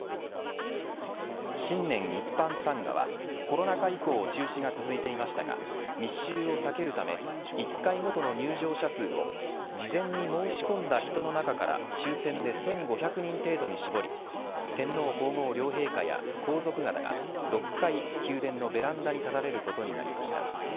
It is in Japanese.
新年一般参賀はコロナ禍以降中止が続いていましたが密集を避けるため１回ごとの入場者数を事前に申し込んだ人の中から抽選で１５００人程度に絞り天皇皇后両陛下や皇族方が、６回宮殿のベランダに立たれることになりました。